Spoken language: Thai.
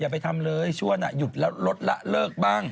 อย่าไปทำเลยช่วงน่ะหยุดแล้วลดละเลิกบ้าง